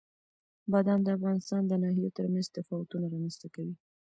بادام د افغانستان د ناحیو ترمنځ تفاوتونه رامنځته کوي.